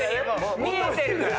見えてるから。